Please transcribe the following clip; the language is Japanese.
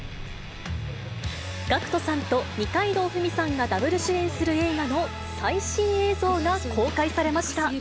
ＧＡＣＫＴさんと二階堂ふみさんがダブル主演する映画の最新映像が公開されました。